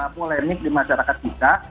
polemik di masyarakat kita